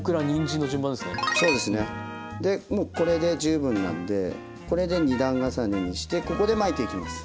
でもうこれで十分なんでこれで２段重ねにしてここで巻いていきます。